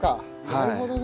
なるほどね。